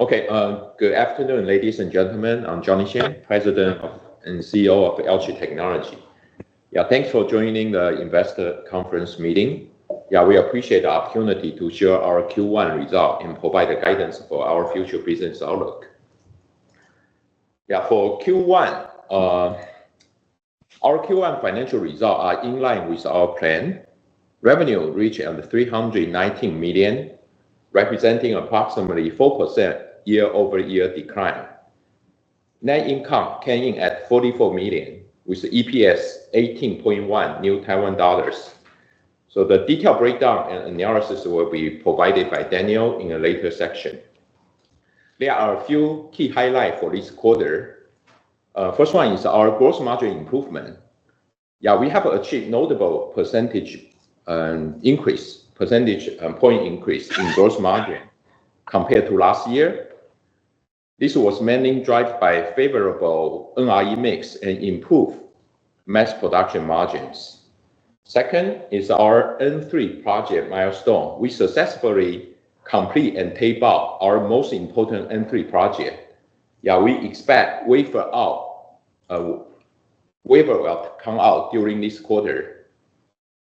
Okay, good afternoon, ladies and gentlemen. I'm Johnny Shen, President and CEO of Alchip Technologies. Yeah, thanks for joining the investor conference meeting. Yeah, we appreciate the opportunity to share our Q1 results and provide guidance for our future business outlook. Yeah, for Q1, our Q1 financial results are in line with our plan. Revenue reached 319 million, representing approximately 4% year-over-year decline. Net income came in at 44 million, with EPS 18.1. So the detailed breakdown and analysis will be provided by Daniel in a later section. There are a few key highlights for this quarter. First one is our gross margin improvement. Yeah, we have achieved a notable percentage point increase in gross margin compared to last year. This was mainly driven by favorable NRE mix and improved mass production margins. Second is our N3 project milestone. We successfully completed and taped out our most important N3 project. Yeah, we expect wafer out, wafer out to come out during this quarter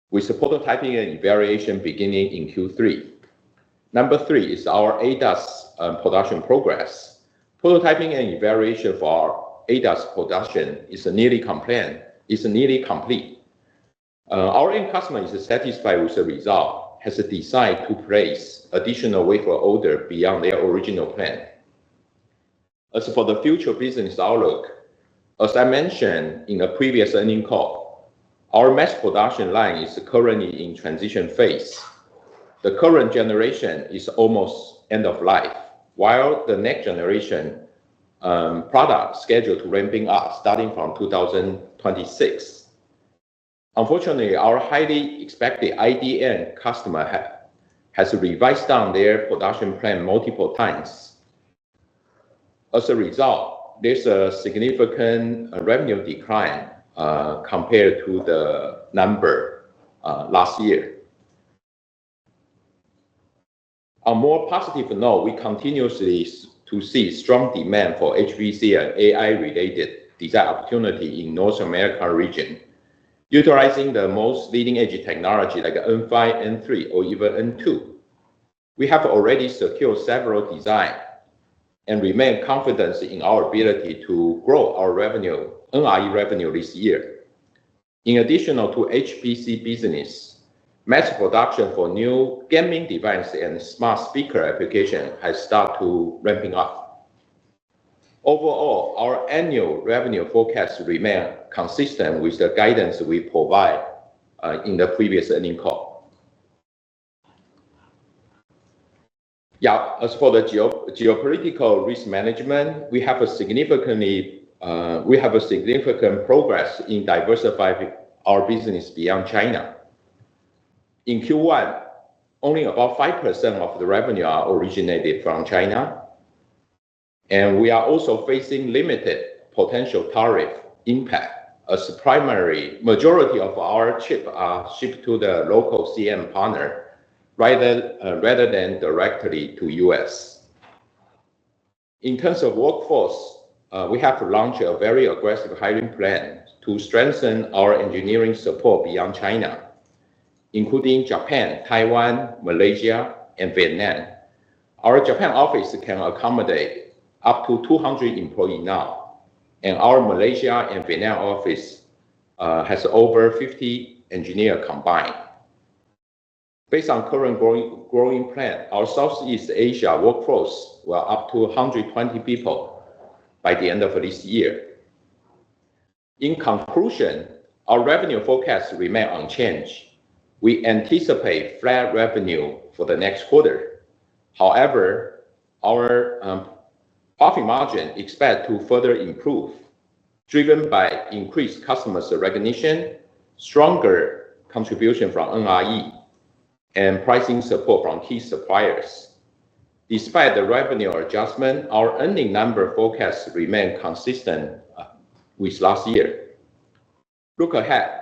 with prototyping and evaluation beginning in Q3. Number three is our production progress. Prototyping and evaluation for our ADAS production is nearly complete. Our end customer is satisfied with the result, has decided to place additional wafer orders beyond their original plan. As for the future business outlook, as I mentioned in a previous earnings call, our mass production line is currently in transition phase. The current generation is almost end of life, while the next generation product is scheduled to ramp up starting from 2026. Unfortunately, our highly expected IDN customer has revised down their production plan multiple times. As a result, there's a significant revenue decline compared to the number last year. On a more positive note, we continuously see strong demand for HPC and AI-related design opportunities in the North American region, utilizing the most leading edge technology like N5, N3, or even N2. We have already secured several designs and remain confident in our ability to grow our revenue, NRE revenue this year. In addition to HPC business, mass production for new gaming devices and smart speaker applications has started to ramp up. Overall, our annual revenue forecast remains consistent with the guidance we provided in the previous earning call. Yeah, as for the geopolitical risk management, we have significant progress in diversifying our business beyond China. In Q1, only about 5% of the revenue originated from China, and we are also facing limited potential tariff impact as the primary majority of our chips are shipped to the local CM partner rather than directly to the U.S. In terms of workforce, we have to launch a very aggressive hiring plan to strengthen our engineering support beyond China, including Japan, Taiwan, Malaysia, and Vietnam. Our Japan office can accommodate up to 200 employees now, and our Malaysia and Vietnam office has over 50 engineers combined. Based on the current growing plan, our Southeast Asia workforce will be up to 120 people by the end of this year. In conclusion, our revenue forecast remains unchanged. We anticipate flat revenue for the next quarter. However, our profit margin is expected to further improve, driven by increased customer recognition, stronger contribution from NRE, and pricing support from key suppliers. Despite the revenue adjustment, our earning number forecast remains consistent with last year. Look ahead,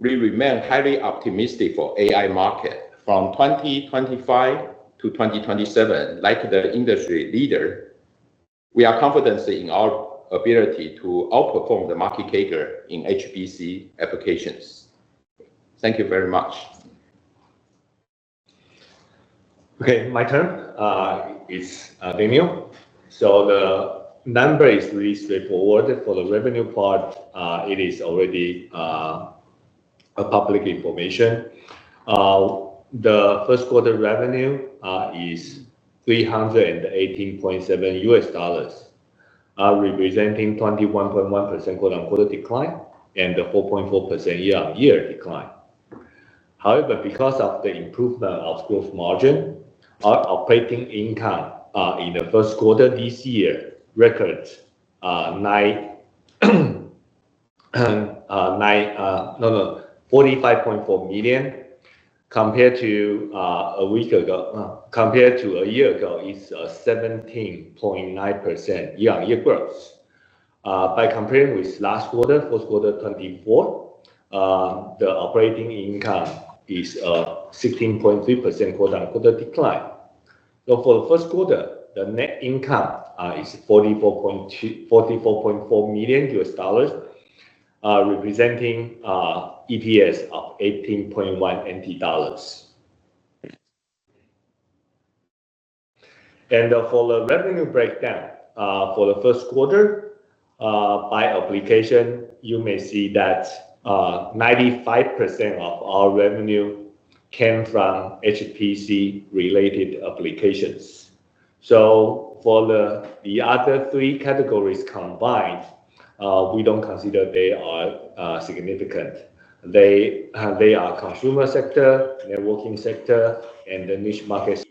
we remain highly optimistic for the AI market from 2025 to 2027 like the industry leader. We are confident in our ability to outperform the market caterer in HPC applications. Thank you very much. Okay, my turn. It's Daniel. So the number is really straightforward. For the revenue part, it is already public information. The first quarter revenue is $318.7 million, representing a 21.1% quarter-on-quarter decline and a 4.4% year-on-year decline. However, because of the improvement of gross margin, our operating income in the first quarter this year records, no, no, 45.4 million compared to a week ago, compared to a year ago, is a 17.9% year-on-year growth. By comparing with last quarter, fourth quarter 2024, the operating income is a 16.3% quarter-on-quarter decline. For the first quarter, the net income is $44.4 million, representing EPS of NTD 18.1. For the revenue breakdown for the first quarter, by application, you may see that 95% of our revenue came from HPC-related applications. For the other three categories combined, we don't consider they are significant. They are consumer sector, networking sector, and the niche market.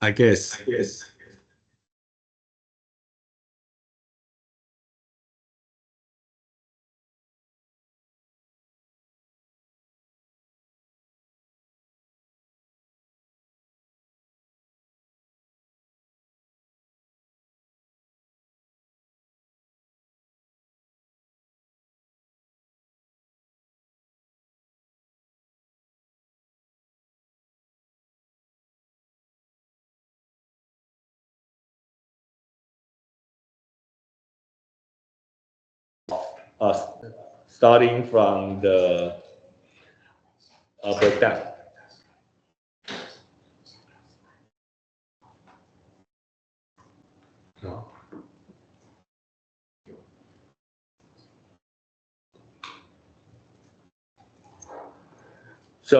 I guess. Starting from the breakdown.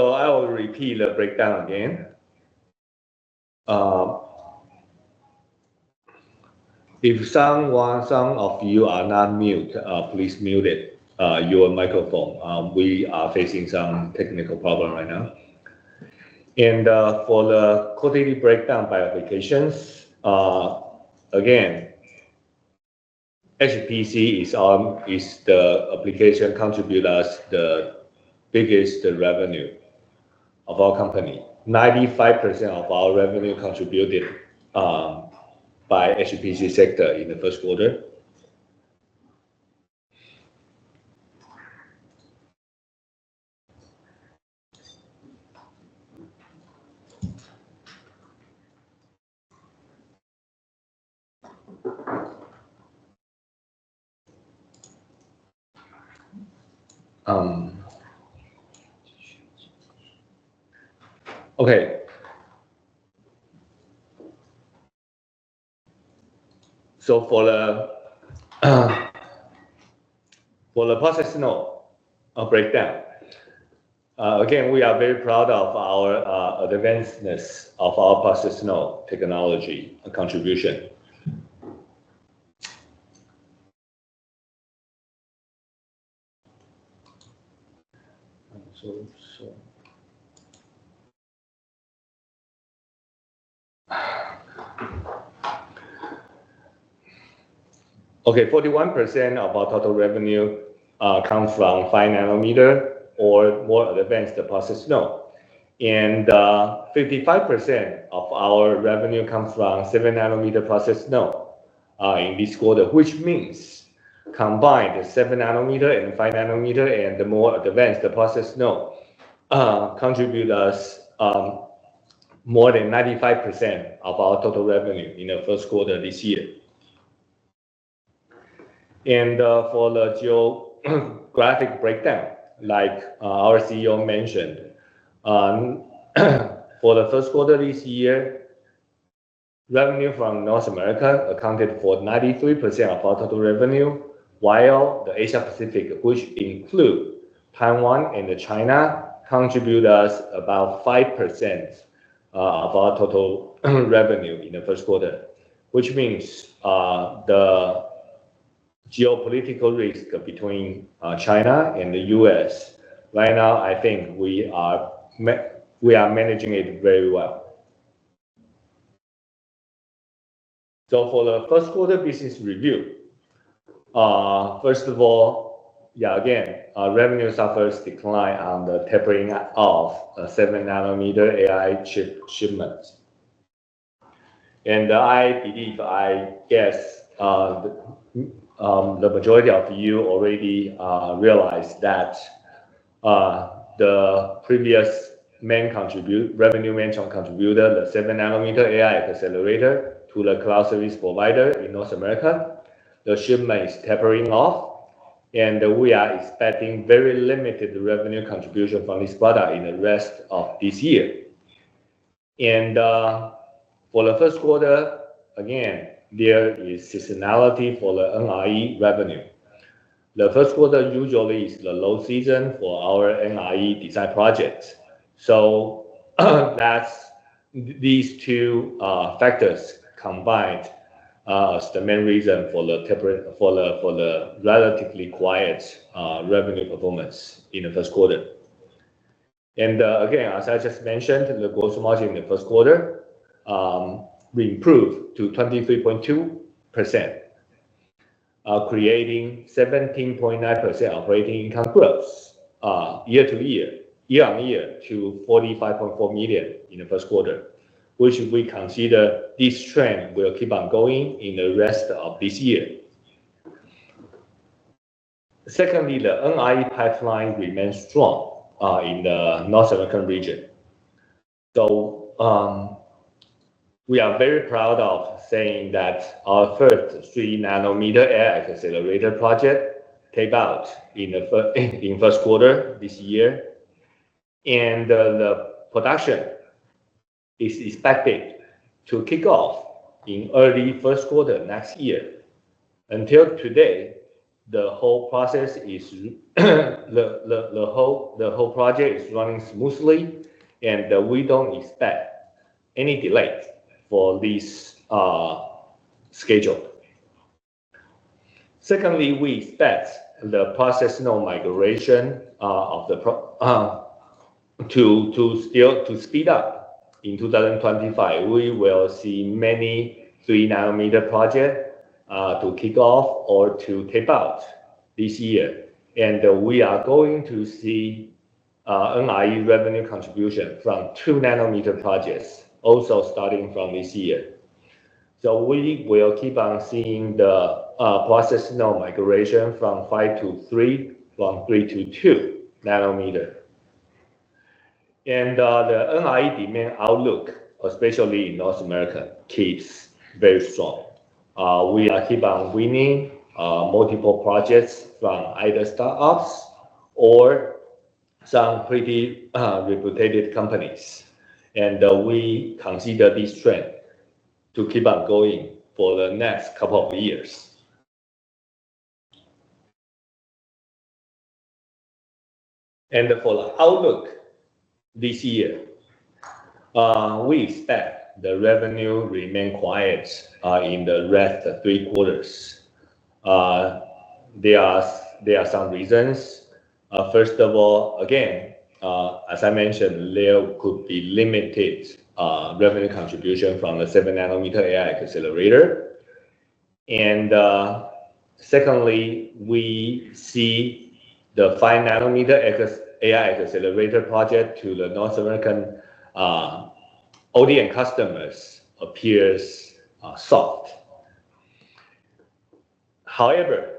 I will repeat the breakdown again. If some of you are not muted, please mute your microphone. We are facing some technical problems right now. For the quoted breakdown by applications, again, HPC is the application contributors, the biggest revenue of our company. 95% of our revenue is contributed by the HPC sector in the first quarter. For the processional breakdown, again, we are very proud of our advancements of our processional technology contribution. 41% of our total revenue comes from five nanometers or more advanced processional. 55% of our revenue comes from seven nanometers processional in this quarter, which means combined the seven nanometers and five nanometers and the more advanced processional contributes more than 95% of our total revenue in the first quarter this year. For the geographic breakdown, like our CEO mentioned, for the first quarter this year, revenue from North America accounted for 93% of our total revenue, while the Asia-Pacific, which includes Taiwan and China, contributed about 5% of our total revenue in the first quarter. This means the geopolitical risk between China and the U.S. Right now, I think we are managing it very well. For the first quarter business review, first of all, yeah, again, revenue suffers a decline on the tapering of seven nanometers AI chip shipments. I believe, I guess, the majority of you already realized that the previous main revenue contributor, the seven nanometers AI accelerator to the cloud service provider in North America, the shipment is tapering off, and we are expecting very limited revenue contribution from this product in the rest of this year. For the first quarter, again, there is seasonality for the NRE revenue. The first quarter usually is the low season for our NRE design projects. These two factors combined are the main reason for the relatively quiet revenue performance in the first quarter. As I just mentioned, the gross margin in the first quarter improved to 23.2%, creating 17.9% operating income growth year-on-year to 45.4 million in the first quarter, which we consider this trend will keep on going in the rest of this year. Secondly, the NRE pipeline remains strong in the North American region. We are very proud of saying that our first three nanometers AI accelerator project came out in the first quarter this year, and the production is expected to kick off in early first quarter next year. Until today, the whole process, the whole project is running smoothly, and we do not expect any delay for this schedule. Secondly, we expect the processional migration to speed up in 2025. We will see many three nanometers projects to kick off or to tape out this year. We are going to see NRE revenue contribution from two nanometers projects also starting from this year. We will keep on seeing the processional migration from five to three, from three to two nanometers. The NRE demand outlook, especially in North America, keeps very strong. We are keep on winning multiple projects from either startups or some pretty reputated companies. We consider this trend to keep on going for the next couple of years. For the outlook this year, we expect the revenue to remain quiet in the rest of three quarters. There are some reasons. First of all, again, as I mentioned, there could be limited revenue contribution from the seven nanometers AI accelerator. Secondly, we see the five nanometers AI accelerator project to the North American ODN customers appears soft. However,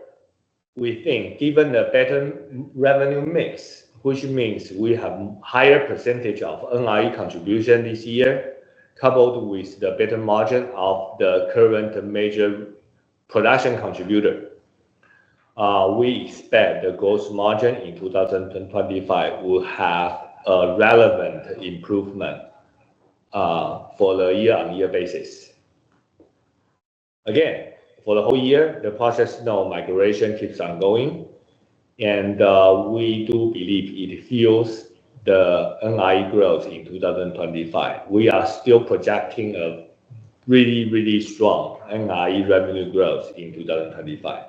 we think given the better revenue mix, which means we have a higher percentage of NRE contribution this year, coupled with the better margin of the current major production contributor, we expect the gross margin in 2025 will have a relevant improvement for the year-on-year basis. For the whole year, the processional migration keeps on going. We do believe it fuels the NRE growth in 2025. We are still projecting a really, really strong NRE revenue growth in 2025.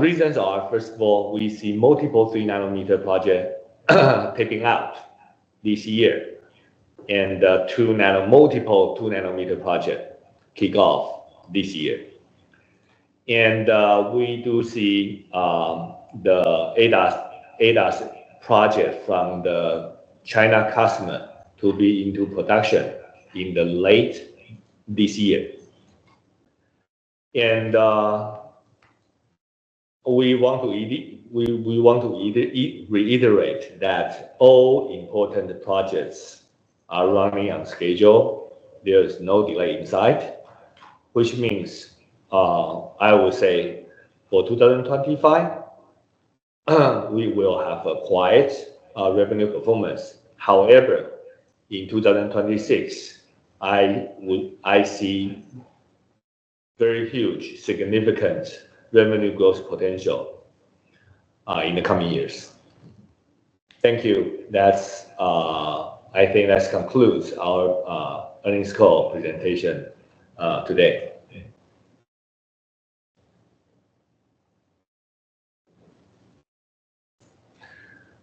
Reasons are, first of all, we see multiple three nanometers projects taping out this year, and multiple two nanometers projects kick off this year. We do see the ADAS project from the China customer to be into production in late this year. We want to reiterate that all important projects are running on schedule. There is no delay in sight, which means I will say for 2025, we will have a quiet revenue performance. However, in 2026, I see very huge significant revenue growth potential in the coming years. Thank you. I think that concludes our earnings call presentation today.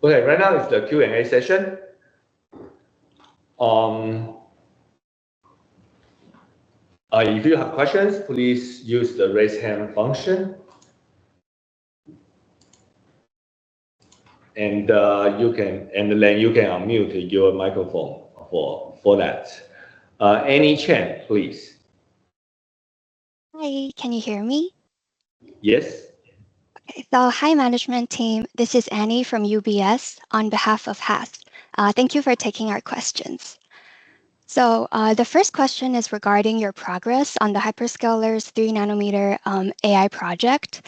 Right now, it is the Q&A session. If you have questions, please use the raise hand function. Then, you can unmute your microphone for that. Annie Chan, please. Hi. Can you hear me? Yes. Hi, management team. This is Annie from UBS on behalf of HASS. Thank you for taking our questions. The first question is regarding your progress on the Hyperscalers three nanometers AI project.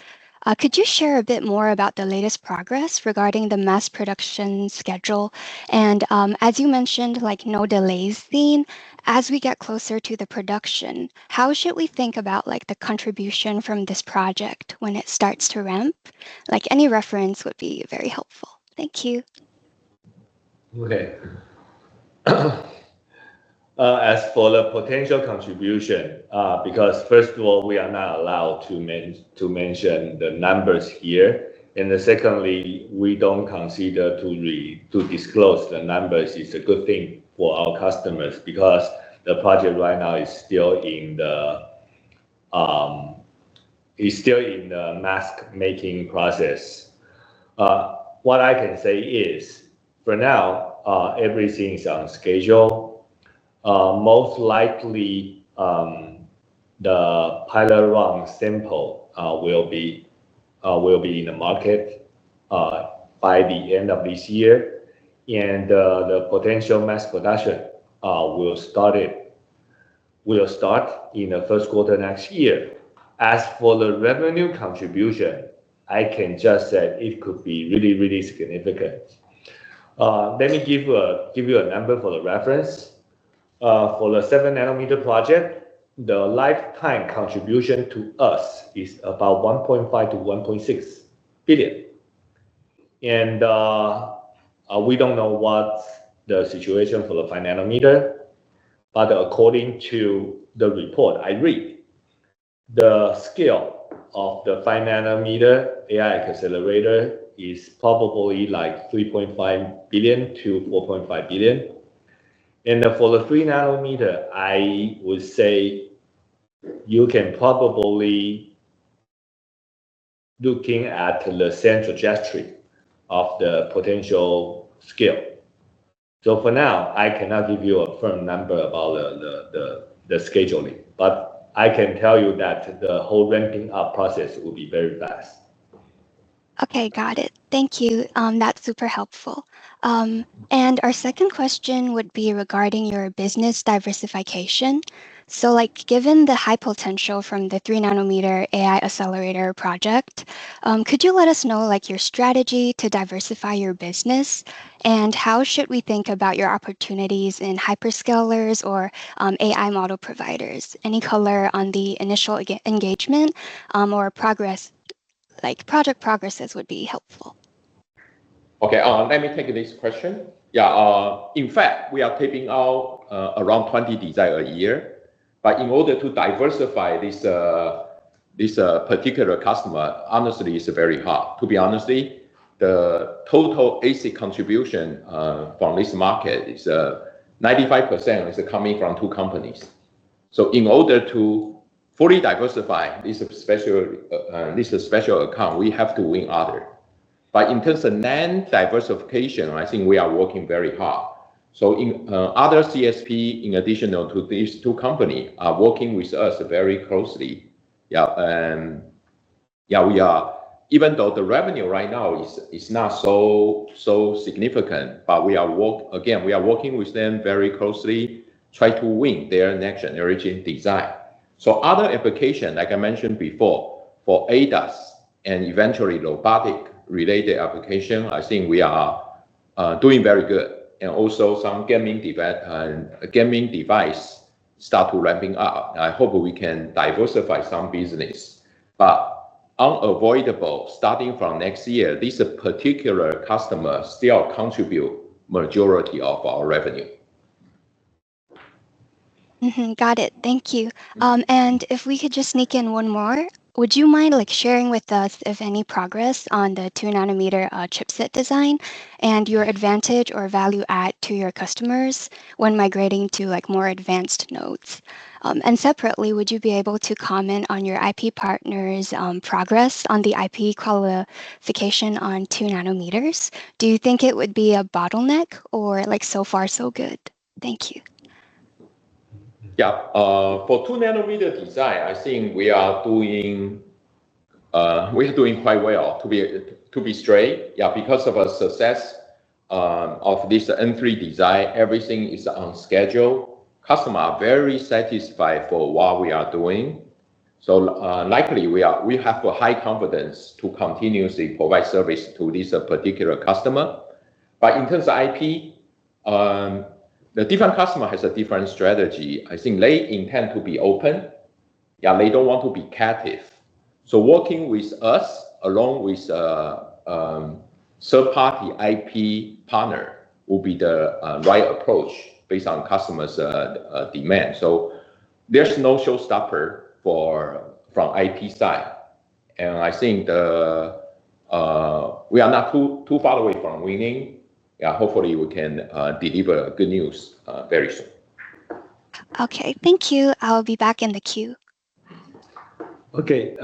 Could you share a bit more about the latest progress regarding the mass production schedule? As you mentioned, no delays seen. As we get closer to the production, how should we think about the contribution from this project when it starts to ramp? Any reference would be very helpful. Thank you. Okay. As for the potential contribution, because first of all, we are not allowed to mention the numbers here. Secondly, we do not consider to disclose the numbers. It is a good thing for our customers because the project right now is still in the mask-making process. What I can say is, for now, everything is on schedule. Most likely, the pilot-run sample will be in the market by the end of this year. The potential mass production will start in the first quarter next year. As for the revenue contribution, I can just say it could be really, really significant. Let me give you a number for reference. For the seven nanometers project, the lifetime contribution to us is about 1.5 billion-1.6 billion. I do not know what the situation for the five nanometers is, but according to the report I read, the scale of the five nanometers AI accelerator is probably like 3.5 billion-4.5 billion. For the three nanometers, I would say you can probably look at the central gesture of the potential scale. For now, I cannot give you a firm number about the scheduling, but I can tell you that the whole ramping-up process will be very fast. Okay. Got it. Thank you. That is super helpful. Our second question would be regarding your business diversification. Given the high potential from the three nanometers AI accelerator project, could you let us know your strategy to diversify your business? How should we think about your opportunities in Hyperscalers or AI model providers? Any color on the initial engagement or project progresses would be helpful. Okay. Let me take this question. Yeah. In fact, we are taping out around 20 designs a year. In order to diversify this particular customer, honestly, it is very hard. To be honest, the total ASIC contribution from this market is 95% coming from two companies. In order to fully diversify this special account, we have to win others. In terms of non-diversification, I think we are working very hard. Other CSP, in addition to these two companies, are working with us very closely. Yeah. Even though the revenue right now is not so significant, but again, we are working with them very closely, trying to win their next generation design. Other applications, like I mentioned before, for ADAS and eventually robotic-related applications, I think we are doing very good. Also, some gaming devices start to ramp up. I hope we can diversify some business. Unavoidable, starting from next year, this particular customer still contributes the majority of our revenue. Got it. Thank you. If we could just sneak in one more, would you mind sharing with us any progress on the two nanometers chipset design and your advantage or value-add to your customers when migrating to more advanced nodes? Separately, would you be able to comment on your IP partners' progress on the IP qualification on two nanometers? Do you think it would be a bottleneck or so far, so good? Thank you. Yeah. For two nanometers design, I think we are doing quite well, to be straight. Yeah. Because of the success of this N3 design, everything is on schedule. Customers are very satisfied with what we are doing. Likely, we have high confidence to continuously provide service to this particular customer. In terms of IP, the different customers have different strategies. I think they intend to be open. Yeah. They do not want to be captive. Working with us along with a third-party IP partner would be the right approach based on customers' demands. There is no showstopper for the IP side. I think we are not too far away from winning. Yeah. Hopefully, we can deliver good news very soon. Okay. Thank you. I'll be back in the queue. Okay.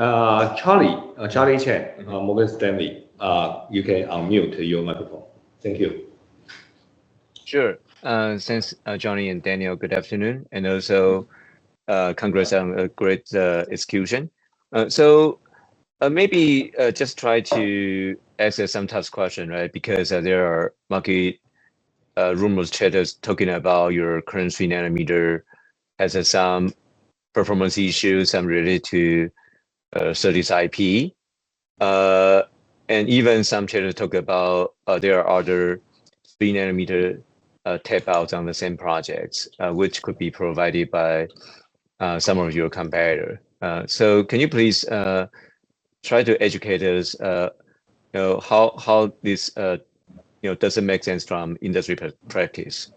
Charlie Chen, Morgan Stanley, you can unmute your microphone. Thank you. Sure. Thanks, Johnny and Daniel. Good afternoon. Also, congrats on a great execution. Maybe just try to answer some tough questions, right, because there are market rumors, chatters talking about your current three nanometers has some performance issues related to SOTIS IP. Even some chatters talk about there are other three nanometers tape-outs on the same projects, which could be provided by some of your competitors. Can you please try to educate us how this does it make sense from industry practice?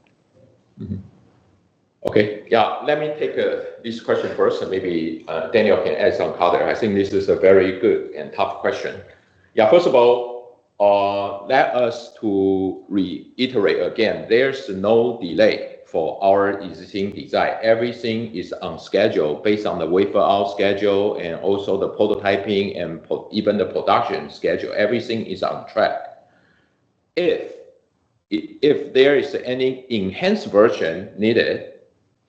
Okay. Yeah. Let me take this question first, and maybe Daniel can add some color. I think this is a very good and tough question. First of all, let us reiterate again, there's no delay for our existing design. Everything is on schedule based on the wafer-out schedule and also the prototyping and even the production schedule. Everything is on track. If there is any enhanced version needed,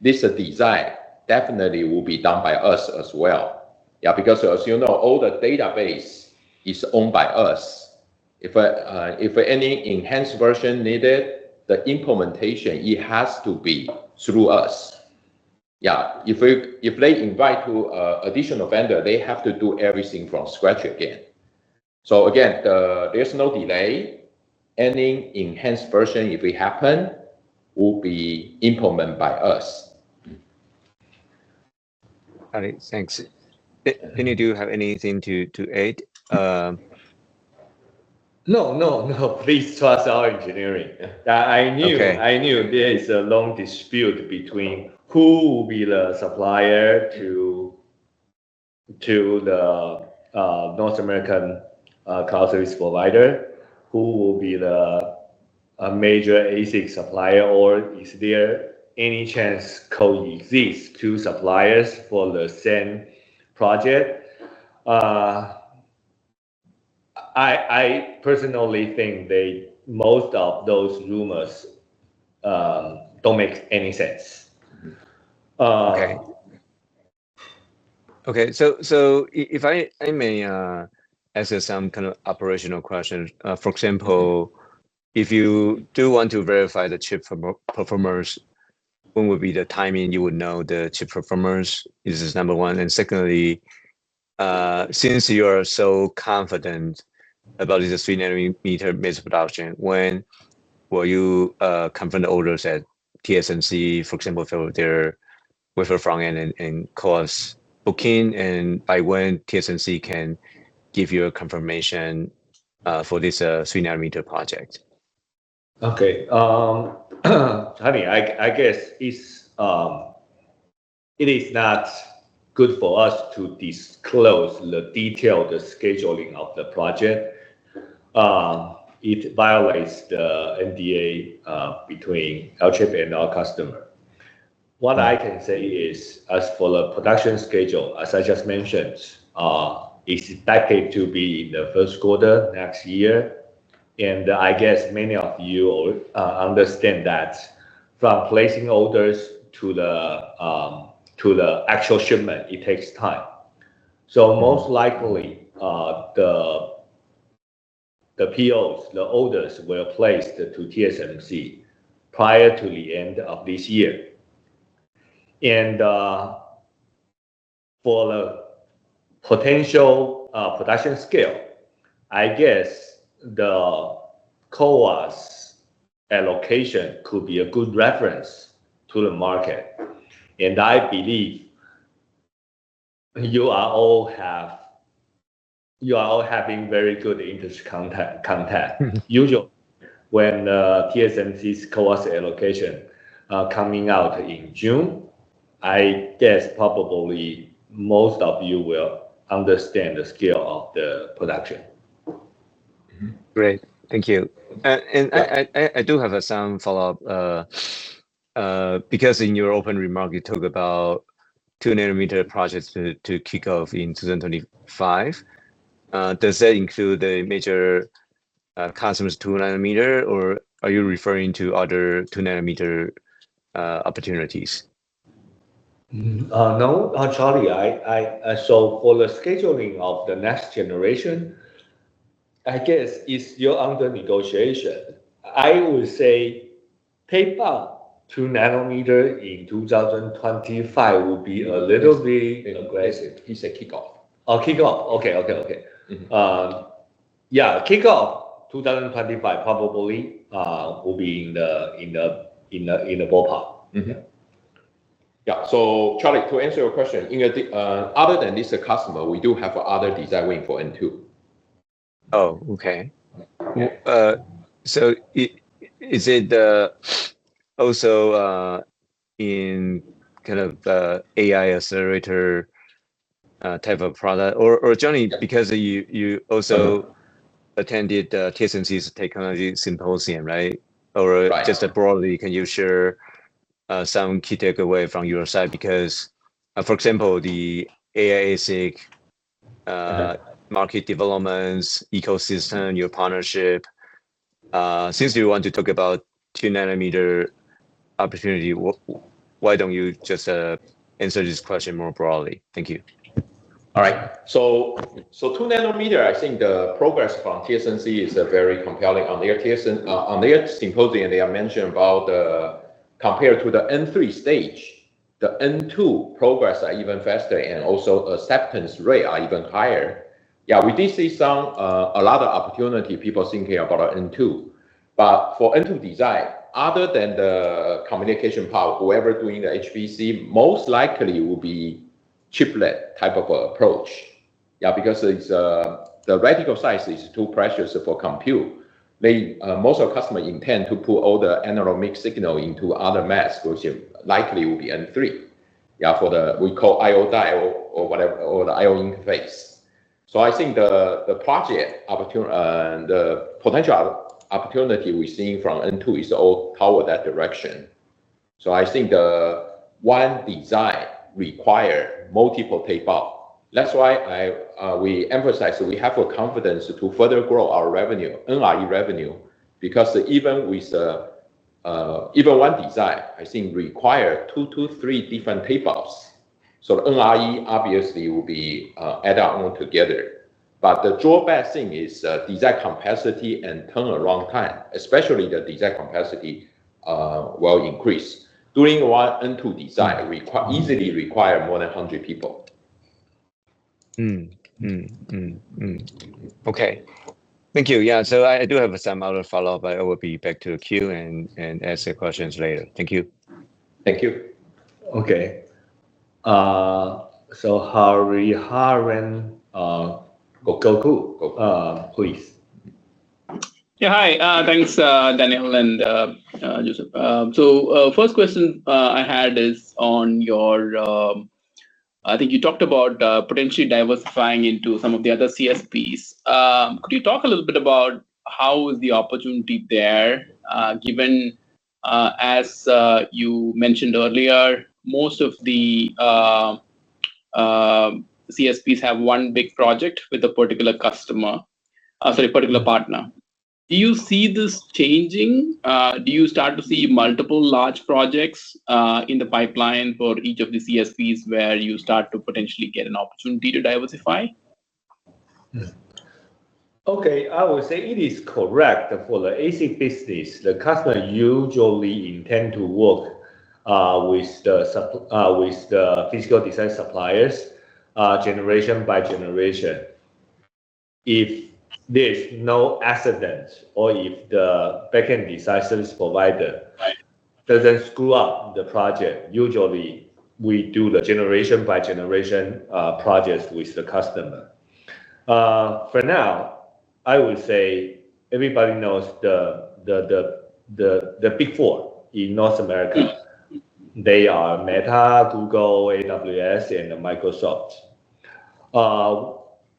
this design definitely will be done by us as well. Yeah. Because as you know, all the database is owned by us. If any enhanced version is needed, the implementation, it has to be through us. Yeah. If they invite an additional vendor, they have to do everything from scratch again. Again, there is no delay. Any enhanced version, if it happens, will be implemented by us. Got it. Thanks. Danny, do you have anything to add? No, no, no. Please trust our engineering. I knew there is a long dispute between who will be the supplier to the North American cloud service provider, who will be the major ASIC supplier, or is there any chance co-existing two suppliers for the same project? I personally think most of those rumors don't make any sense. Okay. Okay. If I may ask some kind of operational questions. For example, if you do want to verify the chip performers, when would be the timing you would know the chip performers? Is this number one? Secondly, since you are so confident about this three nanometers mass production, when will you confirm the orders at TSMC, for example, for their wafer front end and cost booking? By when can TSMC give you a confirmation for this three nanometers project? Okay. Honey, I guess it is not good for us to disclose the detailed scheduling of the project. It violates the NDA between Alchip and our customer. What I can say is, as for the production schedule, as I just mentioned, it's expected to be in the first quarter next year. I guess many of you understand that from placing orders to the actual shipment, it takes time. Most likely, the POs, the orders, were placed to TSMC prior to the end of this year. For the potential production scale, I guess the COAS allocation could be a good reference to the market. I believe you are all having very good interest contact. Usually, when TSMC's COAS allocation is coming out in June, I guess probably most of you will understand the scale of the production. Great. Thank you. I do have some follow-up. Because in your open remark, you talked about two nanometers projects to kick off in 2025. Does that include the major customers, two nanometers, or are you referring to other two nanometers opportunities? No, Charlie. For the scheduling of the next generation, I guess it's under negotiation. I would say tape-out two nanometers in 2025 would be a little bit aggressive. He said a kickoff. Oh, kickoff. Okay, okay, okay. Yeah. Kickoff 2025 probably will be in the ballpark. Yeah. Charlie, to answer your question, other than this customer, we do have other designs waiting for N2. Oh, okay. Is it also in kind of the AI accelerator type of product? Or Johnny, because you also attended TSMC's technology symposium, right? Or just broadly, can you share some key takeaways from your side? Because, for example, the AI ASIC market developments, ecosystem, your partnership. Since you want to talk about two nanometers opportunity, why do you not just answer this question more broadly? Thank you. All right. So two nanometers, I think the progress from TSMC is very compelling. At their symposium, they mentioned about compared to the N3 stage, the N2 progress is even faster, and also acceptance rates are even higher. Yeah. We did see a lot of opportunity, people thinking about N2. But for N2 design, other than the communication part, whoever is doing the HPC, most likely will be chiplet type of approach. Yeah. Because the reticle size is too precious for compute. Most of the customers intend to put all the analog mixed signal into other masks, which likely will be N3. Yeah. We call IO die or the IO interface. I think the potential opportunity we are seeing from N2 is all toward that direction. I think one design requires multiple tape-out. That is why we emphasize we have confidence to further grow our revenue, NRE revenue, because even one design, I think, requires two to three different tape-outs. NRE obviously will be added on together. The drawback thing is design complexity and turnaround time, especially the design complexity, will increase. Doing one N2 design easily requires more than 100 people. Okay. Thank you. Yeah. I do have some other follow-up. I will be back to the queue and ask the questions later. Thank you. Thank you. Okay. Harry Haren, Goku please. Hi. Thanks, Daniel and Joseph. The first question I had is on your, I think you talked about potentially diversifying into some of the other CSPs. Could you talk a little bit about how is the opportunity there? Given as you mentioned earlier, most of the CSPs have one big project with a particular customer or, sorry, particular partner. Do you see this changing? Do you start to see multiple large projects in the pipeline for each of the CSPs where you start to potentially get an opportunity to diversify? Okay. I would say it is correct. For the ASIC business, the customer usually intends to work with the physical design suppliers generation by generation. If there is no accident or if the backend decisions provider does not screw up the project, usually we do the generation-by-generation projects with the customer. For now, I would say everybody knows the Big Four in North America. They are Meta, Google, AWS, and Microsoft.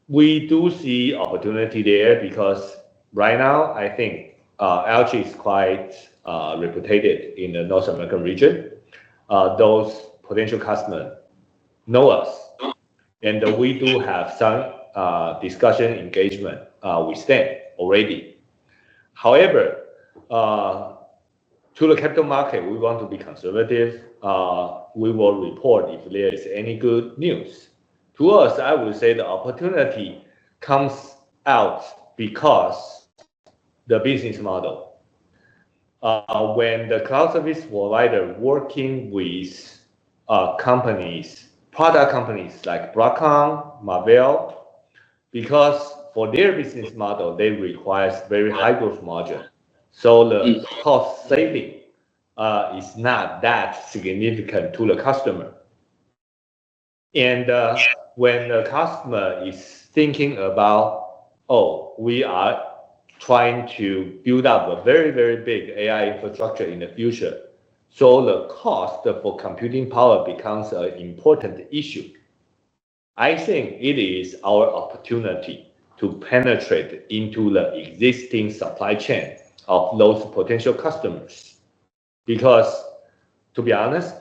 We do see opportunity there because right now, I think Alchip is quite reputated in the North American region. Those potential customers know us. We do have some discussion engagement with them already. However, to the capital market, we want to be conservative. We will report if there is any good news. To us, I would say the opportunity comes out because of the business model. When the cloud service provider is working with product companies like Broadcom, Marvell, because for their business model, they require very high gross margin. The cost saving is not that significant to the customer. When the customer is thinking about, "Oh, we are trying to build up a very, very big AI infrastructure in the future," the cost for computing power becomes an important issue. I think it is our opportunity to penetrate into the existing supply chain of those potential customers. Because to be honest,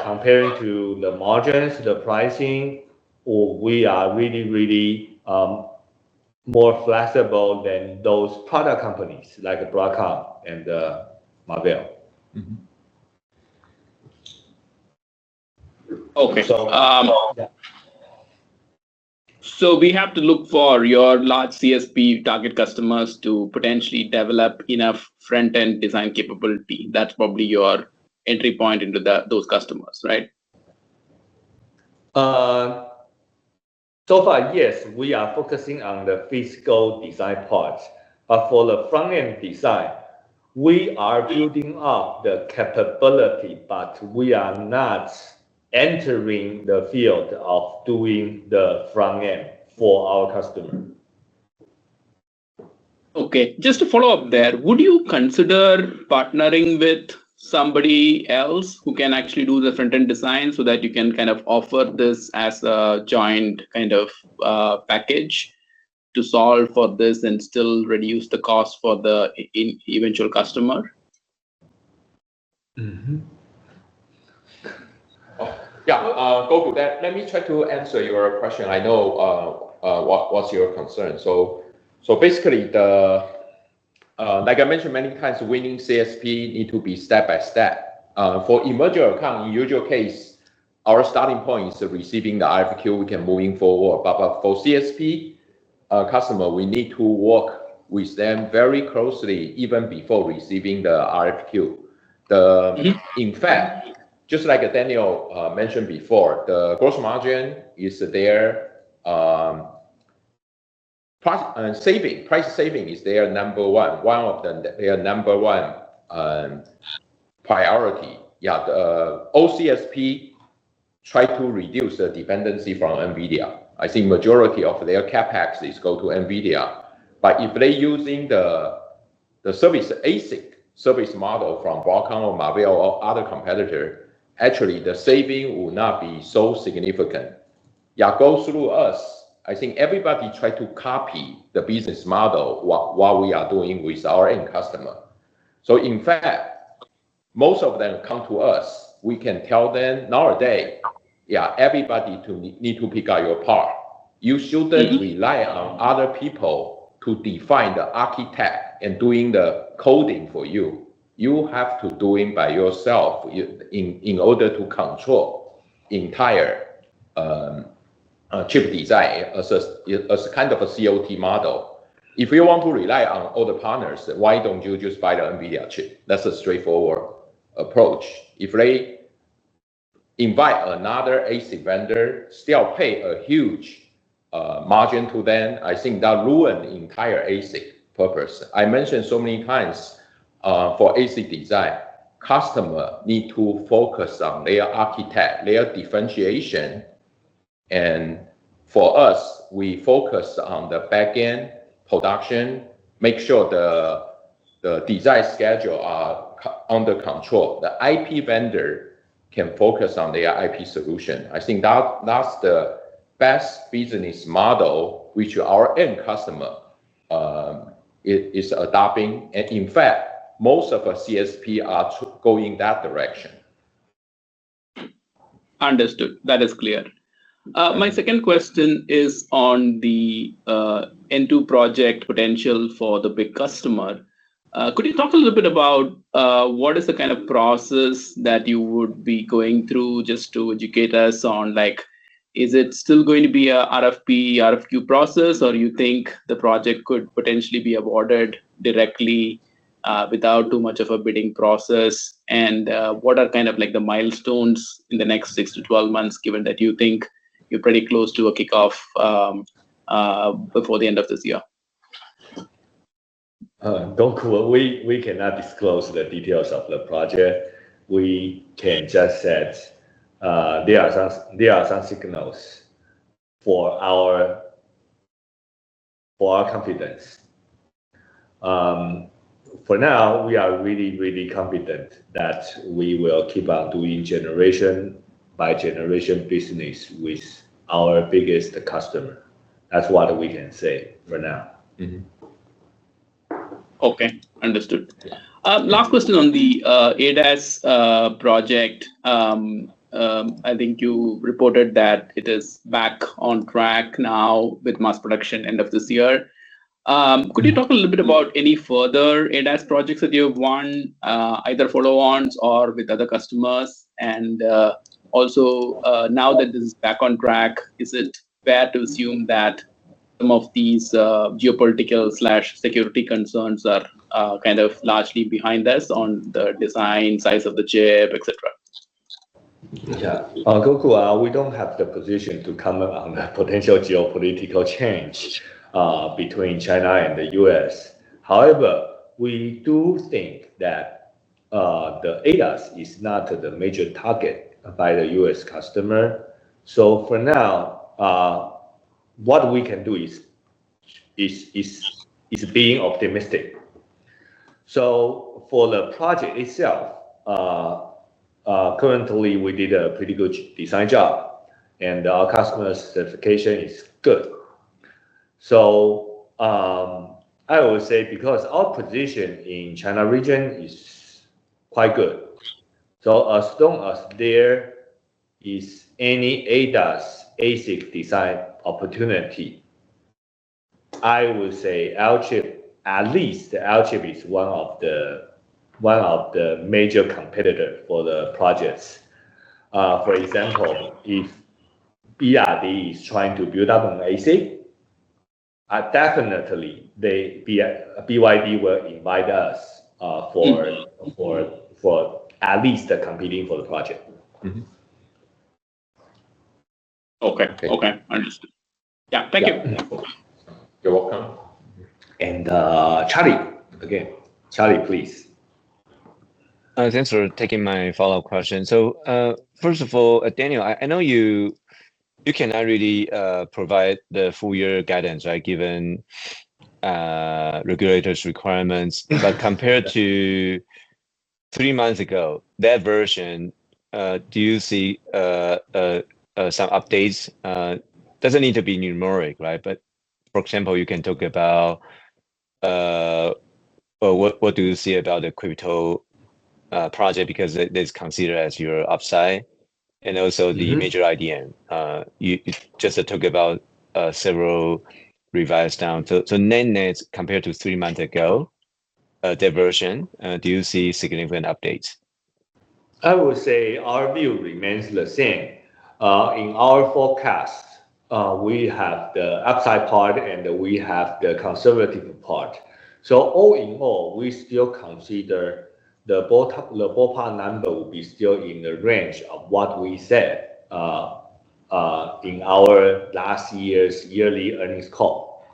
comparing to the margins, the pricing, we are really, really more flexible than those product companies like Broadcom and Marvell. Okay. We have to look for your large CSP target customers to potentially develop enough front-end design capability. That's probably your entry point into those customers, right? So far, yes. We are focusing on the physical design part. For the front-end design, we are building up the capability, but we are not entering the field of doing the front-end for our customer. Okay. Just to follow up there, would you consider partnering with somebody else who can actually do the front-end design so that you can kind of offer this as a joint kind of package to solve for this and still reduce the cost for the eventual customer? Yeah. Let me try to answer your question. I know what's your concern. Basically, like I mentioned many times, winning CSPs need to be step by step. For emerging accounts, in usual case, our starting point is receiving the RFQ. We can move forward. For CSP customers, we need to work with them very closely even before receiving the RFQ. In fact, just like Daniel mentioned before, the gross margin is their price saving is their number one. One of their number one priority. Yeah. CSPs try to reduce the dependency from NVIDIA. I think the majority of their CapEx is going to NVIDIA. If they are using the ASIC service model from Broadcom or Marvell or other competitors, actually, the saving will not be so significant. Go through us. I think everybody tried to copy the business model while we are doing with our end customer. In fact, most of them come to us. We can tell them nowadays, "Yeah, everybody needs to pick up your part. You shouldn't rely on other people to define the architect and do the coding for you. You have to do it by yourself in order to control the entire chip design as kind of a COA model. If you want to rely on other partners, why don't you just buy the NVIDIA chip?" That's a straightforward approach. If they invite another ASIC vendor, still pay a huge margin to them, I think that ruins the entire ASIC purpose. I mentioned so many times for ASIC design, customers need to focus on their architect, their differentiation. For us, we focus on the backend production, make sure the design schedules are under control. The IP vendor can focus on their IP solution. I think that's the best business model which our end customer is adopting. In fact, most of our CSPs are going in that direction. Understood. That is clear. My second question is on the N2 project potential for the big customer. Could you talk a little bit about what is the kind of process that you would be going through just to educate us on? Is it still going to be an RFP/RFQ process, or do you think the project could potentially be awarded directly without too much of a bidding process? What are kind of the milestones in the next six-12 months, given that you think you're pretty close to a kickoff before the end of this year? Goku, we cannot disclose the details of the project. We can just say there are some signals for our confidence. For now, we are really, really confident that we will keep on doing generation-by-generation business with our biggest customer. That's what we can say for now. Okay. Understood. Last question on the ADAS project. I think you reported that it is back on track now with mass production end of this year. Could you talk a little bit about any further ADAS projects that you have won, either follow-ons or with other customers? Also, now that this is back on track, is it fair to assume that some of these geopolitical/security concerns are kind of largely behind this on the design, size of the chip, etc.? Yeah. Goku, we do not have the position to comment on the potential geopolitical change between China and the US. However, we do think that the ADAS is not the major target by the US customer. For now, what we can do is being optimistic. For the project itself, currently, we did a pretty good design job, and our customer's certification is good. I would say because our position in the China region is quite good, as long as there is any ADAS ASIC design opportunity, at least Alchip is one of the major competitors for the projects. For example, if ERD is trying to build up an ASIC, definitely BYD will invite us for at least competing for the project. Okay. Okay. Understood. Yeah. Thank you. You're welcome. Charlie, again. Charlie, please. Thanks for taking my follow-up question. First of all, Daniel, I know you cannot really provide the full-year guidance, right, given regulators' requirements. Compared to three months ago, that version, do you see some updates? It does not need to be numeric, right? For example, you can talk about what do you see about the crypto project because it is considered as your upside and also the major IDM. You just talked about several revised down. Net-Net, compared to three months ago, that version, do you see significant updates? I would say our view remains the same. In our forecast, we have the upside part, and we have the conservative part. All in all, we still consider the ballpark number will be still in the range of what we said in our last year's yearly earnings call.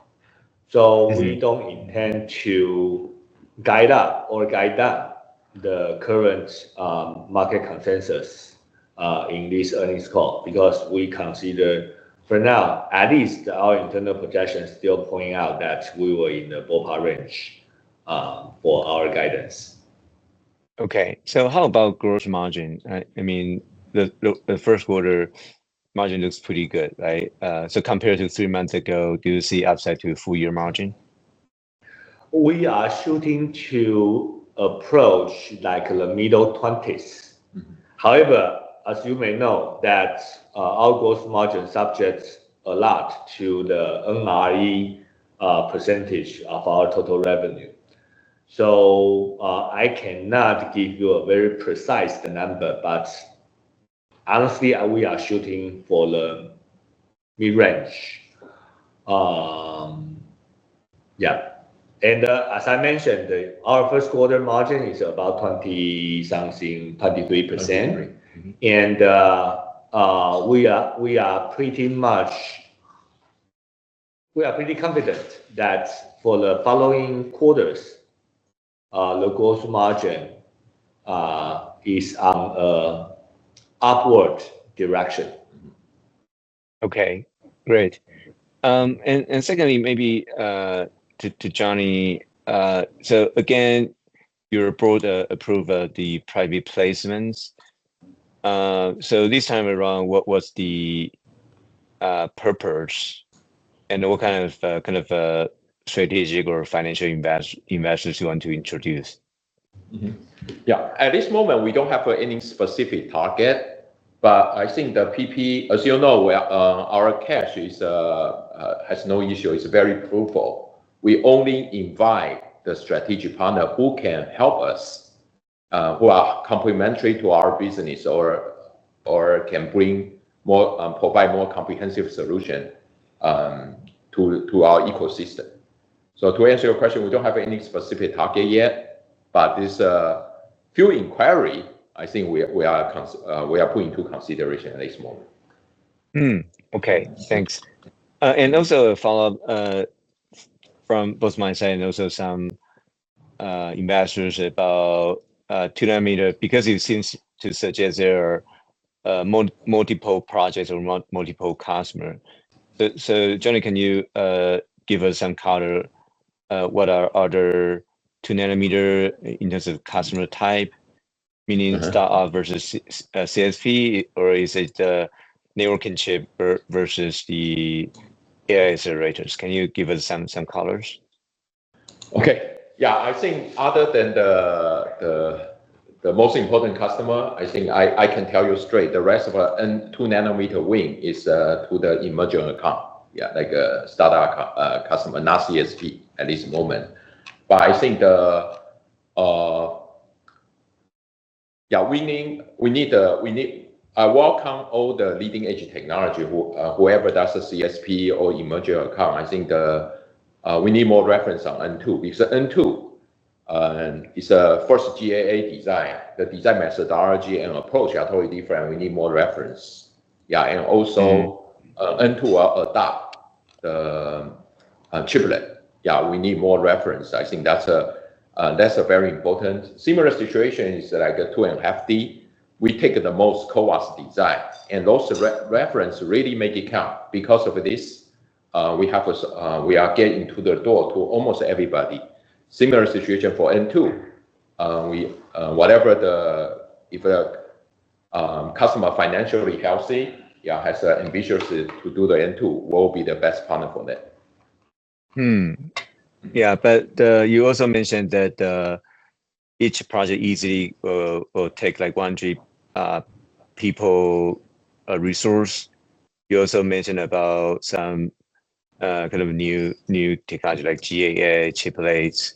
We do not intend to guide up or guide down the current market consensus in this earnings call because we consider for now, at least our internal projections still point out that we were in the ballpark range for our guidance. Okay. How about gross margin? I mean, the first-quarter margin looks pretty good, right? Compared to three months ago, do you see upside to a full-year margin? We are shooting to approach the middle 20s. However, as you may know, our gross margin subjects a lot to the NRE percentage of our total revenue. I cannot give you a very precise number, but honestly, we are shooting for the mid-range. Yeah. As I mentioned, our first-quarter margin is about 20-something, 23%. We are pretty confident that for the following quarters, the gross margin is on an upward direction. Okay. Great. Secondly, maybe to Johnny, again, you brought up the private placements. This time around, what was the purpose and what kind of strategic or financial investors you want to introduce? Yeah. At this moment, we do not have any specific target. I think the PP, as you know, our cash has no issue. It's very provable. We only invite the strategic partner who can help us, who are complementary to our business or can provide more comprehensive solutions to our ecosystem. To answer your question, we don't have any specific target yet. This few inquiries, I think we are putting into consideration at this moment. Okay. Thanks. Also a follow-up from both my side and also some investors about 2nm, because you seem to suggest there are multiple projects or multiple customers. Johnny, can you give us some color? What are other 2nm in terms of customer type, meaning startup versus CSP, or is it the networking chip versus the AI accelerators? Can you give us some colors? Okay. Yeah. I think other than the most important customer, I think I can tell you straight. The rest of our 2nm wing is to the emerging account, yeah, like a startup customer, not CSP at this moment. I think we need to welcome all the leading-edge technology, whoever does the CSP or emerging account. I think we need more reference on N2 because N2 is a first GAA design. The design methodology and approach are totally different. We need more reference. Yeah. Also, N2 will adopt the chiplet. Yeah. We need more reference. I think that's a very important similar situation is like 2.5D. We take the most coarse design, and those references really make it count. Because of this, we are getting to the door to almost everybody. Similar situation for N2. If the customer is financially healthy, yeah, has the ambition to do the N2, we'll be the best partner for them. Yeah. You also mentioned that each project easily will take like one, two people resource. You also mentioned about some kind of new technology like GAA, chiplets.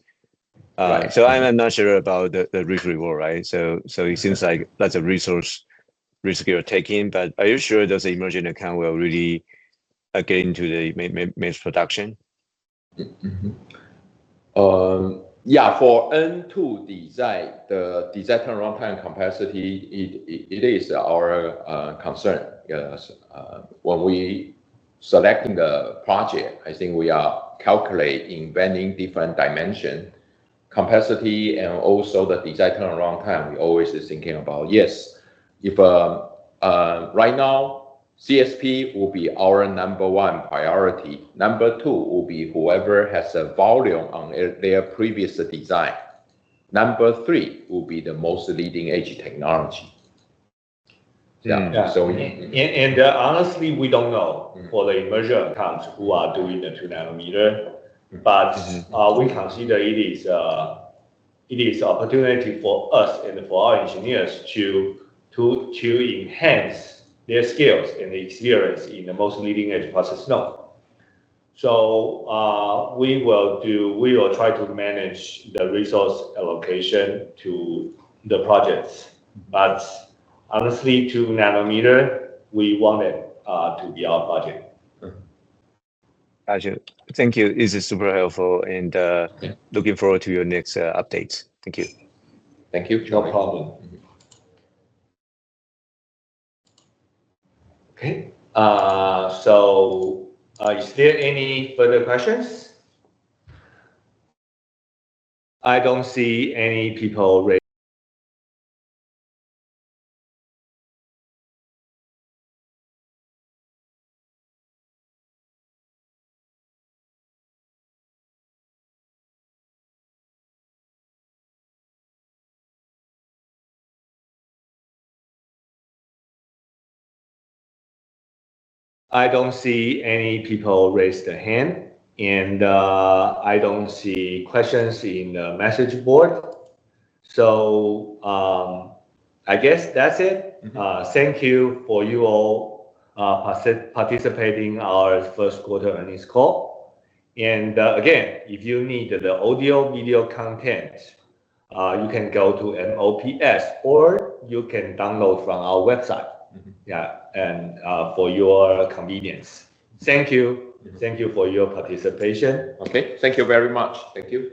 I'm not sure about the risk reward, right? It seems like lots of resource risk you're taking. Are you sure those emerging accounts will really get into the mass production? Yeah. For N2 design, the design turnaround time and complexity, it is our concern. When we're selecting the project, I think we are calculating in varying different dimensions, complexity, and also the design turnaround time. We always are thinking about, yes, if right now, CSP will be our number one priority. Number two will be whoever has a volume on their previous design. Number three will be the most leading-edge technology. Honestly, we don't know for the emerging accounts who are doing the 2nm. But we consider it is an opportunity for us and for our engineers to enhance their skills and their experience in the most leading-edge process. No. We will try to manage the resource allocation to the projects. Honestly, 2nm, we want it to be our budget. Gotcha. Thank you. This is super helpful. Looking forward to your next updates. Thank you. Thank you. No problem. Okay. Is there any further questions? I do not see any people ready. I do not see any people raise their hand. I do not see questions in the message board. I guess that is it. Thank you for you all participating in our first-quarter earnings call. Again, if you need the audio-video content, you can go to MOPS, or you can download from our website for your convenience. Thank you. Thank you for your participation. Okay. Thank you very much. Thank you.